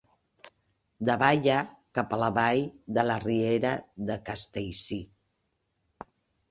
Davalla cap a la vall de la riera de Castellcir.